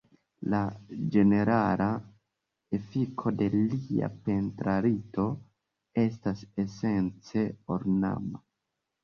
La ĝenerala efiko de lia pentrarto estas esence ornama.